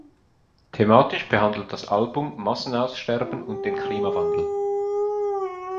Thematisch behandelt das Album Massenaussterben und den Klimawandel.